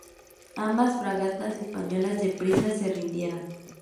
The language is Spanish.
Ambas fragatas españolas deprisa se rindieron.